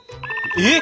えっ！？